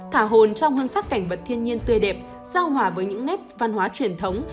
thả hồn trong hương sắc cảnh vật thiên nhiên tươi đẹp giao hòa với những nét văn hóa truyền thống